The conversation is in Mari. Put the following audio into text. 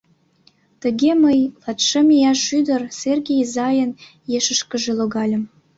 Тыге мый, латшым ияш ӱдыр, Серге изайын ешышкыже логальым.